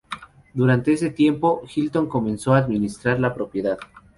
Durante ese tiempo, Hilton comenzó a administrar la propiedad.